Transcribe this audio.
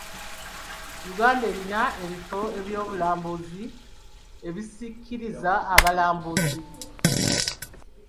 Uganda erina ebifo ebyobulambuzi ebisikiriza abalambuzi.